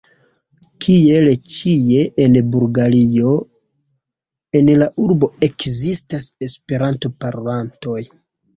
Kiel ĉie en Bulgario en la urbo ekzistas Esperanto-parolantoj.